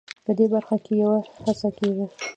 په دې برخه کې یوه هڅه کېږي.